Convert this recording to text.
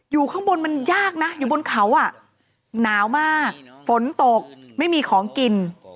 อยู่ข้างบนมันยากนะอยู่บนเขาอ่ะหนาวมากฝนตกไม่มีของกิน